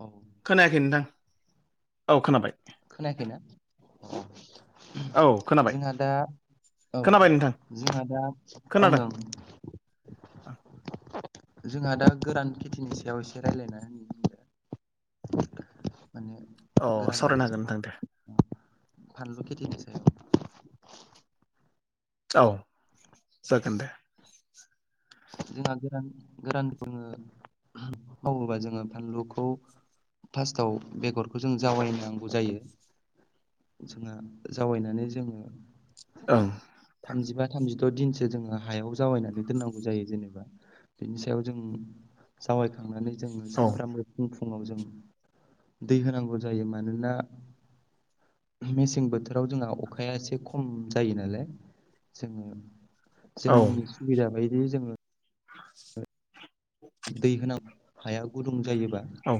औ खोनायाखै नोंथां। औ खोनाबाय। खोनायाखैना? औ खोनाबाय जोंहा दा औ खोनाबाय नोंथां जोंहा दा ओं खोनादों ओं जोंहा दा गोरान खेथिनि सायाव एसे रायलायना होनि बुंदो माने औ गोरान सावरायनो हागोन नोंथां दे फानलु खेथिनि सायाव औ जागोन दे जोंहा गोरान गोरान बुङो मावोबा जोङो फानलुखौ फार्स्टआव बेगरखौ जों जावायनांगौ जायो जोंहा जावैनानै जोङो ओं थामजिबा थामजिद' दिनसो जोङो हायाव जावायनानै दोननांगौ जायो जेनेबा बिनि सायाव जों जावायखांनानै जोंङो औ सामफ्रामबो फुं फुङाव जों दै होनांगौ जायो मानोना मेसें बोथोराव जोंहा अखाया एसे खम जायो नालाय जोङो औ जोंनि सुबिदा बायदि जोङो दै होनांगौ हाया गुदुं जायोबा औ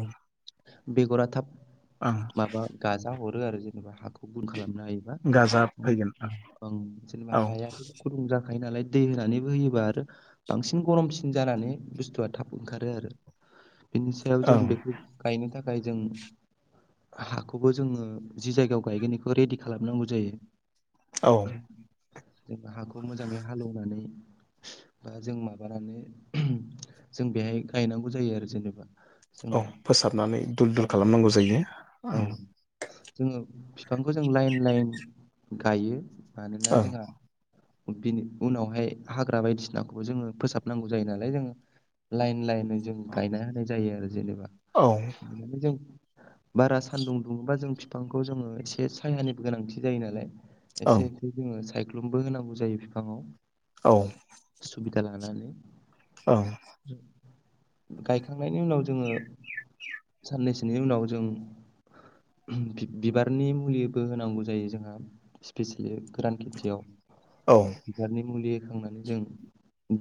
बेग'रा थाब ओं माबा गाजा हरो आरो जेनेबा हाखौ गुन खालामनो हायोबा गाजा फैगोन जेनेबा ओं हाया गुदुं जाखायो नालाय दै होनानैबो होयोबा आरो बांसिन गरमसिन जानानै बुस्थुआ थाब ओंखारो आरो बिनि सायाव औ जों बेखौ गायनो थाखाय जों हाखौबो जोङो जि जायगायाव गायगोन बेखौ रेडि खालामनांगौ जायो औ जों हाखौ मोजाङै हालेवनानै बा जों माबानानै जों बेहाय गायनांगौ जायो आरो जेनेबा औ फोसाबनानै दुल दुल खालामनांगौ जायो औ ओं जोङो बिफांखौ जों लाइन लाइन गायो मानोना ओं जोंहा बिनि उनावहाय हाग्रा बायदिसिनाखौबो जोङो फोसाबनांगौ जायो नालाय जोङो लाइन लाइन जों गायना होनाय जायो आरो जेनेबा औ [unintelligible] जों बारा सान्दुं दुङोबा जों बिफांखौ जोङो एसे सायहानिबो गोनांथि जायो नालाय एसे ओं एसे जोङो सायख्लुमबो होनांगौ जायो बिफाङाव औ सुबिदा लानानै औ गायखांनायनि उनाव जोङो साननैसोनि उनाव जों बिबारनि मुलिबो होनांगौ जायो जोंहा स्पेसियेलि गोरान खेथियाव औ बिबारनि मुलि होखांनानै जों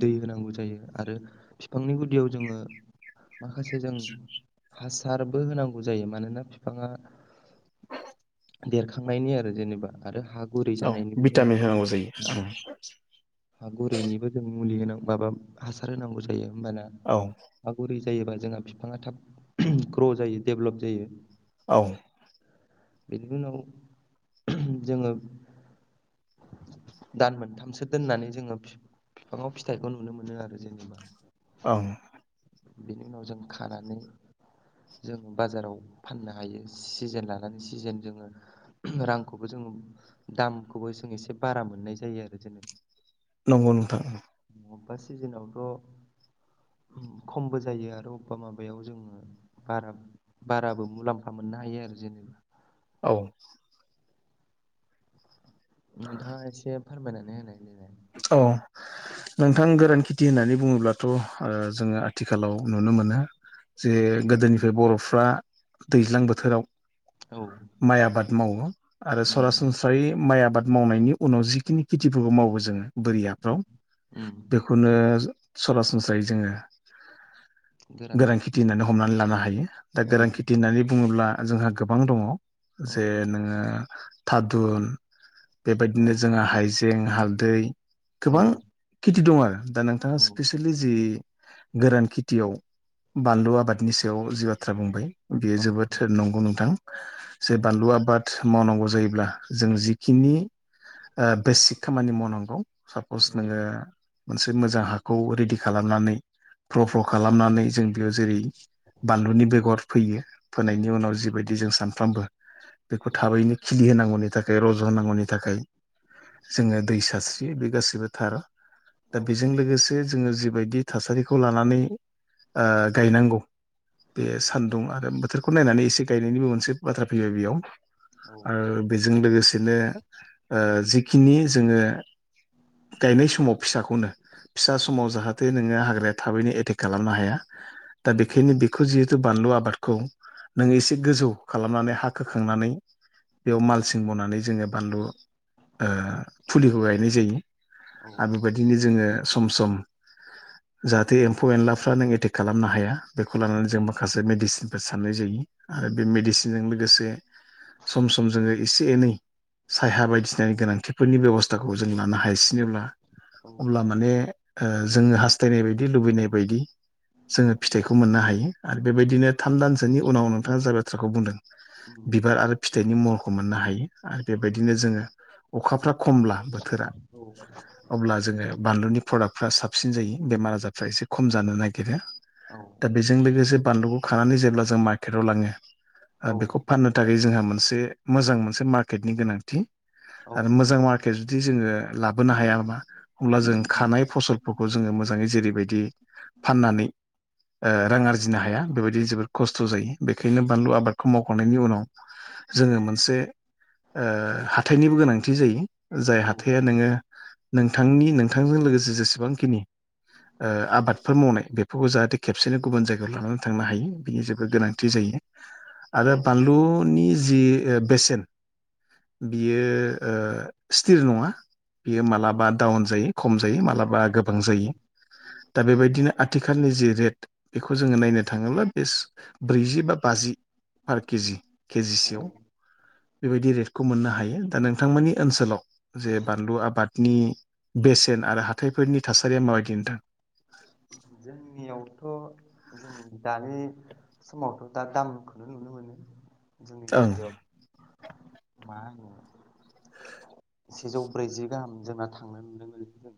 दै होनांगौ जायो आरो बिफांनि गुदियाव जोङो माखासे जों हासारबो होनांगौ जायो मानोना बिफाङा देरखांनायनि आरो जेनेबा आरो हा गुरै औ जानायनिबो जोङो भिटामिन होनांगौ जायो ओं हा गुरैनिबो जों मुलि होनां माबा हासार होनांगौ जायो होमबाना औ गुरै जायोबा जोंहा बिफाङा थाब ग्र' जायो डेभलप जायो औ बेनि उनाव जोङो दान मोनथामसो दोननानै जोङो बिफाङाव फिथाइखौ नुनो मोनो आरो जेनेबा औ बेनि उनाव जों खानानै जों बाजाराव फाननो हायो सिजेन लानानै सिजेन जोङो रांखौबो जोङो दामखौबो जों एसे बारा मोननाय जायो आरो जेनेबा नंगौ नोंथां बबेबा सिजोनावथ' खमबो जायो आरो अबेबा माबायाव जोङो बारा बाराबो मुलाम्फा मोननो हायो आरो जेनेबा औ। नोंथाङा एसे फोरमायनानै होनाय [unintelligible] लाय औ। नोंथां गोरान खेथि होननानै बुङोब्लाथ' ओ जोङो आथिखालाव नुनो मोनो। जे गोदोनिफ्राय बर'फ्रा दैज्लां बोथोराव औ माइ आबाद मावो आरो उम सरासनस्रा माइ आबाद मावनायनि उनाव जिखिनि खेथिफोरखौ मावो जोङो बोरि औ उम हाफ्राव खौनो सरासनस्रायै जोङो गोरां खेथि होननानै हमनानै लानो हायो दा औ गोरां खेथि होननानै बुङोब्ला जोंहा गोबां दङ औ जे नोङो थादुन औ बेबायदिनो जोङो हाइजें, हालदै औ गोबां खेथि दं आरो दा नोंथाङा औ स्पेसियेलि जि गोरान खेथियाव बानलु आबादनि सायाव जि बाथ्रा बुंबाय बेयो औ जोबोद नंगौ नोंथां। जे बानलु आबाद मावनांगौ जायोब्ला जों जिखिनि ओ बेसिक खामानि मावनांगौ। साप'स नोङो मोनसे मोजां हाखौ रेडि खालामनानै फ्र' फ्र' खालामनानै जों बेयाव जेरै बानलुनि बेगर फोयो। फोनायनि औ उनाव जिबायदि जों सानफ्रामबो बेखौ थाबैनो खिलि होनांगौनि थाखाय रज' होनांगौनि थाखाय जोङो दै सास्रि बे गाससिबो थार। दा औ बेजों लोगोसे जोङो जिबायदि थासारिखौ लानानै ओ गायनांगौ बे औ सान्दुं आरो बोथोर खौ नायनानै एसे गायनायनिबो मोनसे बाथ्रा फैबाय बेयाव। औ ओ बेजों लोगोसेनो ओ जिखिनि जोङो गायनाय समाव फिसाखौनो फिसा समाव जाहा थे नोङो हाग्राया थाबैनो एटेक खालामनो हाया दा बेखायनो बे खौ जिहेतु बानलु आबादखौ नोङो एसे गोजौ खालामनानै हा खोखांनानै बेयाव औ मालसिं बनानै जोङो बानलु ओ फुलिखौ गायनाय जाय। ो औ आरो बेबायदिनो जोङो सम सम [inaudible] जाहाथे एम्फौ एनलाफ्रा नों एटेक खालामनो हाया बेखौ लानानै जों माखासे मेडिसिनफोर सारनाय जायो। आरो बे उम मेडिसिनजों लोगोसे सम सम जोङो एसे एनै सायहा बायदिसिनानि गोनांथिफोरनि बेब'स्थाखौ जों लानो हायसिनो अब्ला माने ओ जोङो हास्थायनाय बायदि लुबैनाय बायदि जोङो फिथाइखौ मोननो हायो। आरो बेबायदिनो थान्दानसोनि उनाव नोंथाङा जाय बाथ्राखौ बुंदों बिबार आरो फिथाइनि महरखौ मोननो हायो। आरो उम बेबायदिनो जोङो अखाफ्रा खमब्लाबो औ [inaudible] अब्ला जोङो बानलुनि प्रडाक्टफ्रा साबसिन जायो बेमार आजारफ्रा एसे खम जानो नागिरो। औ। दा बेजों लोगोसे बानलुखौ खानानै जेब्ला जों मार्केटाव लाङो औ ओ बेखौ फाननो थाखाय जोंहा मोनसे मोजां मोनसे मार्केटनि गोनांथि। औ आरो मोजां मार्केट जुदि जोङो लाबोनो हाया नामा अब्ला जों उम खानाय फसल फोरखौ जोङो मोजाङै जेरैबायदि फाननानै ओ रां आरजिनो हाया बेबायदि जोबोद खस्थ' जायो। बेखायनो बानलु आबादखौ मावखांनायनि उनाव जोङो मोनसे ओ हाथाइनिबो गोनांथि जायो। जाय औ हाथाइया नोङो नोंथांनि नोंथांजों लोगोसे जेसेबांखिनि ओ आबादफोर मावनाय बेफोरखौ जाहाथे खेबसेनो गुबुन जायगायाव लानानै थांनो हायो बिनि जेबोद गोनांथि जायो। आरो औ बानलुनि जि ओ बेसेन बियो ओ स्टिर नङा। बियो औ मालाबा डाउन जायो खम जायो मालाबा गोबां उम जायो। दा बेबायदिनो आथिखालनि जि रेट बेखौ जोङो औ नायनो थाङोब्ला बे ब्रैजि बा बाजि पार केजि औ केजिसेयाव। बेबायदि रेटखौ मोननो हायो दा नोंथांमोननि ओनसोलाव जे बानलु आबाद नि बेसेन आरो हाथायफोरनि थासारिया माबायदि नोंथां? जोंनियावथ' जों दानि समावथ' दा दामखौनो नुनो मोनो। जोंनि ओं जायगायाव मा होनो सेजौ ब्रैजि गाहाम जोंना थांनो नुदों आरोखि जों।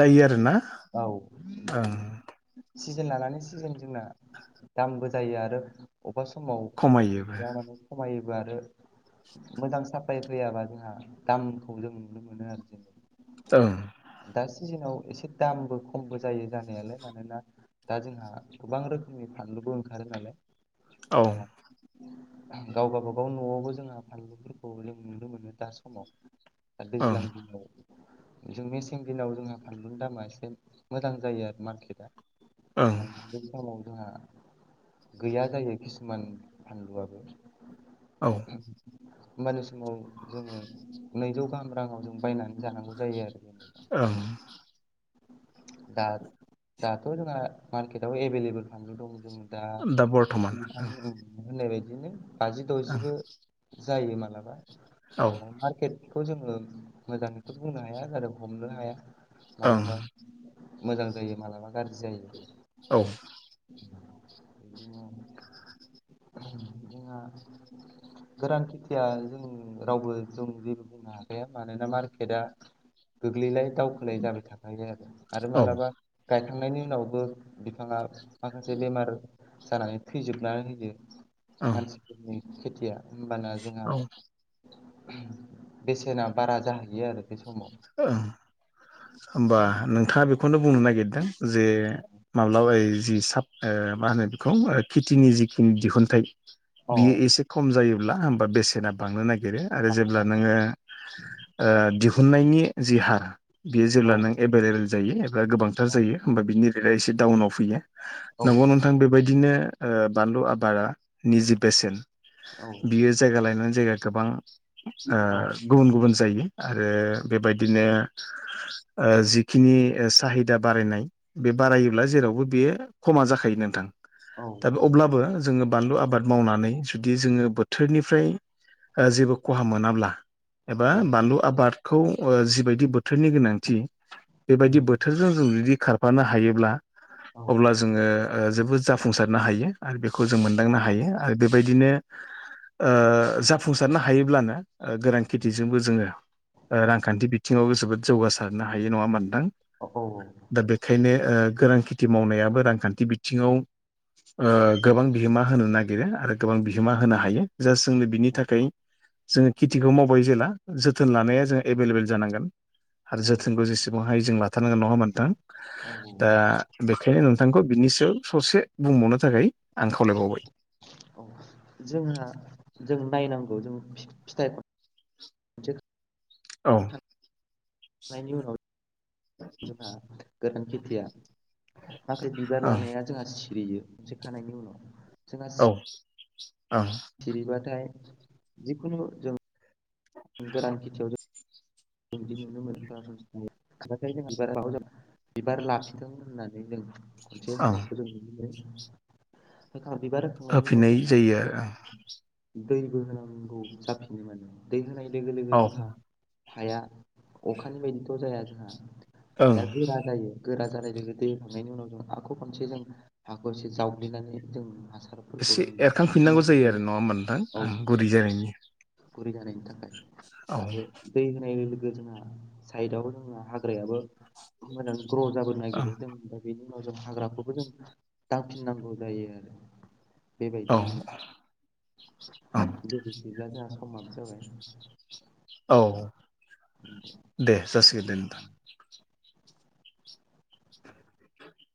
दायो आरो ना? औ जों सिजोन लानानै सिजोन जोंना दामबो जायो आरो अबेबा समाव खमायोबो फानलुआ माने खमायोबो आरो मोजां साप्लाय फैयाबा जोंहा दामखौ जों नुनो मोनो आरो जेनबा। ओं। दा सिजोनाव एसे दामबो खमबो जायो जानायालाय मानोना दा जोंहा गोबां रोखोमनि फानलुबो ओंखारो नालाय। औ गावबा गाबागाव न'आवबो जोंहा फानलुफोरखौ जों नुनो मोनो दा समाव। दा दैज्लां ओं दिनाव जों मेसें दिनाव जोंहा फानलुनि दामा एसे मोजां जायो आरो मारकेटआ ओं मानोना बे समाव जोंहा गैया जायो किसुमान फानलुआबो। औ होमबानि समाव जोङो नैजौ गाहाम राङाव जों बायनानै जानांगौ जायो आरोखि। ओं। दा दाथ' जोंहा मार्केटाव एभेल एभेल फानलु दं जों दा नोंथां औ। होननाय बायदिनो बाजि ओं द'जिबो जायो मालाबा ओं मालाबा मार्केट खौ जोङो मोजाङैबो बुंनो हाया आरो हमनो हाया। औ ओं मालाबा मोजां जायो मालाबा गाज्रि जायो। औ। [unintelligible] गोरान खेथिया जों रावबो जों जेबो बुंनो हाखाया मानोना मार्केटआ गोग्लैलाय दावखोलाय जाबाय थाखायो आरो आरो मालाबा गायखांनायनि उनावबो बिफाङा माखासे बेमार जानानै थैजोबनानै होयो ओं मानसि जोंनि खेथिया होमबाना जोंहा औ बेसेना बारा जाहैयो आरो बे समाव। ओं। [inaudible] होमबा नोंथाङा बेखौनो बुंनो नागिरदों जे माब्लाबा जि साब ओ मा होनो बेखौ खेथिनि जिखिनि दिहुनथाइ बियो एसे खम जायोब्ला होमबा बेसेना बांनो नागिरो आरो जेब्ला बांनानै नोङो ओ दिहुननायनि जि हार बियो औ जेब्ला नों एभेल एभेल जायो एबा गोबां थार औ जायो होमबा बिनि रेटआ एसे डाउनाव फैयो औ नंगौ नोंथां बेबायदिनो ओ बानलु आबादा निजे बेसेन बियो जायगा लायनानै जायगा गोबां ओ औ गुबुन गुबुन जायो आरो बेबायदिनो [inaudible] ओ जिखिनि साहिदा बारायनाय बे बारायोब्ला जेरावबो बेयो खमा जाखायो नोंथां। औ दा बे अब्लाबो जोङो बानलु आबाद मावनानै जुदि जोङो बोथोरनिफ्राय ओ जेबो खहा मोनाब्ला एबा औ बानलु आबादखौ ओ जिबायदि बोथोरनि गोनांथि बेबायदि उम बो [unintelligible] जुदि खारफानो हायोब्ला औ अब्ला ओ जोङो जोबोद जो जाफुंसारनो हायो आरो बेखौ जों मोनदांनो हायो आरो बेबायदिनो ओ जाफुंसारनो हायोब्लानो गोनांथि दिगजोंबो जोङो रांखान्थि बिथिङावबो जोबोद जौगासारनो हायो नङा होमबा नोंथां। औ दा बेखायनो ओ गोरान खेथि मावनायाबो रांखान्थि बिथिङाव ओ गोबां बिहोमा होनो नागिरो आरो गोबां बि होमा औ होनो हायो जा जोंनो बिनि थाखाय जोङो खेथिखौ मावबाय जेला थोन लानाया जों एभेल एभेल जानांगोन। आरो औ जोथोनखौ जेसेबांहाय जों लाथारनांगोन नङा होनबा नोंथों औ दा बेखायनो नोंथांखौ बिनि सायाव ससे बुंबावनो थाखाय आं खावलायबावबाय [inaudible] औ जोंहा जों नायनांगौ जों फिथाइ खनसे औ उनाव जोंहा गोरान खेथिया नाथाय बिबार लानाया जोंहा सिरियो मोनसे खानायनि उनाव जोंहा औ सिरिबाथाय जिखुनु जों गोरान खेथियाव जों बिदि नुनो मोनो [unintelligible] बिबार लाफिथों होननानै जों खनसे ओं होनायखौ जों नुनो मोनो जिंखा बिबार होखांनायनि उनाव होफिननाय जोङो जायो दैबो होनांगौ जाफिनो मोनो दै होनाय लोगो लोगो आरो औ जोंहा हाया अखानि बायदिथ' जाया जोंहा ओं हाया गोरा जायो गोरा जानाय लोगो दैखांनायनि उनाव जों आख' खनसे जों हाखरसे जावग्लिनानै जों हासार फोर [unintelligible] एसे एरखांफिननांगौ जायो आरो नङा होमबा नोंथां औ ओं गुरै जानायनि गुरै जानायनि थाखाय औ आरो दै होनाय लोगो जोंहा साइदआव जोंना हाग्रायाबो मोजां ग्र' जाबो ओं नागिरो जों बेनि उनाव जों हाग्राखौबो जों दांफिननांगौ जायो आरो औ बेबायदिनो औ गोबो गैब्ला जोंहा समाबो जाबाय औ दे जासिगोन दे नोंथां [inaudible]